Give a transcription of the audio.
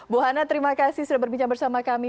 bu hana terima kasih sudah berbincang bersama kami